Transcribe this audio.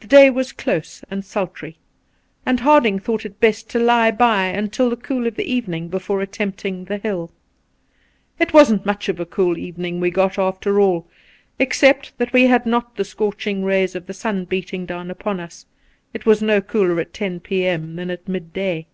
The day was close and sultry, and Harding thought it best to lie by until the cool of the evening before attempting the hUl. It wasn't much of a cool evening we got after all ; except that we had not the scorching rays of the sun beating down upon us, it was no cooler at 10 p.m. than at mid day.